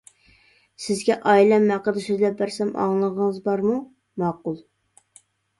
-سىزگە ئائىلەم ھەققىدە سۆزلەپ بەرسەم ئاڭلىغۇڭىز بارمۇ؟ -ماقۇل.